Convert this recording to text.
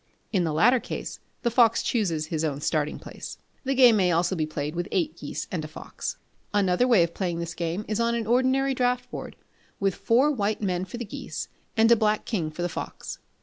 In the latter case, the fox chooses his own starting place. The game may also be played with eight geese and a fox. Another way of playing this game is on an ordinary draughtboard, with four white men for the geese, and a black king for the fox.